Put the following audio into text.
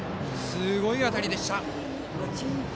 すごい当たりでした。